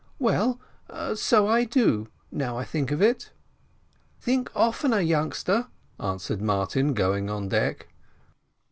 "Well, so I do, now I think of it." "Think oftener, youngster," observed Martin, going on deck.